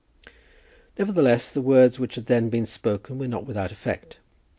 Nevertheless, the words which had then been spoken were not without effect.